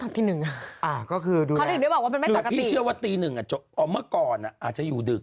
อ่าก็คือดูละคือพี่เชื่อว่าตีหนึ่งอ่ะจบอ๋อเมื่อก่อนอ่ะอาจจะอยู่ดึก